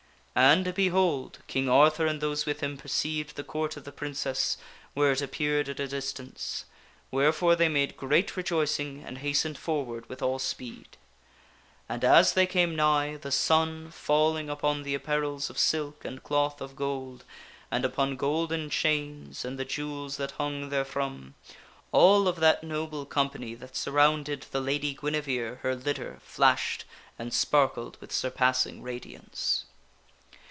And, behold ! King Arthur and those with him perceived the Court of the Princess where it appeared at a distance, wherefore they made great rejoicing and hastened forward with all speed. And as they came nigh, Of the Court tne sun falling upon the apparels of silk and cloth of gold, and of the Lady upon golden chains and the jewels that hung therefrom, all of that noble company that surrounded the Lady Guinevere her litter flashed and sparkled with surpassing radiance.